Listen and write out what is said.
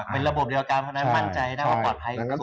อ๋อเป็นระบบเรียกกันเพราะฉะนั้นมั่นใจได้ว่าปลอดภัยสูงมาก